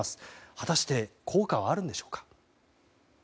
果たして効果はあるんでしょうか。